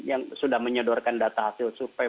yang sudah menyodorkan data hasil survei